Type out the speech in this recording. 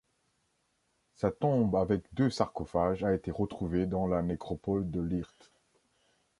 Sa tombe avec deux sarcophages a été retrouvée dans la nécropole de Licht.